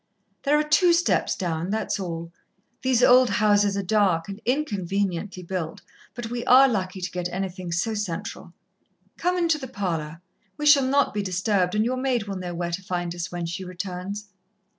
"There are two steps down, that's all. These old houses are dark, and inconveniently built but we are lucky to get anything so central.... Come into the parlour, we shall not be disturbed, and your maid will know where to find us when she returns."